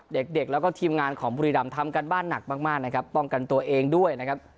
เด็กเด็กแล้วก็ทีมงานของบุรีรำทำการบ้านหนักมากนะครับป้องกันตัวเองด้วยนะครับ